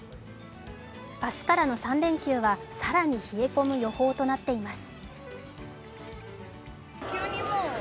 明日からの３連休は更に冷え込む予報となっています。